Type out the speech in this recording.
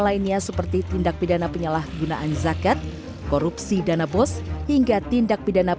lainnya seperti tindak pidana penyalahgunaan zakat korupsi dana bos hingga tindak pidana